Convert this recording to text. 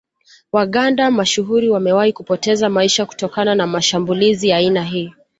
Waganda mashuhuri wamewahi kupoteza maisha kutokana na mashmbulizi ya aina hii